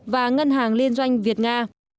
và ngân hàng liên doanh việt nga